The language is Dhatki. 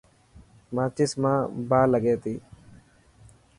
ماچس مان باهه لگي تي.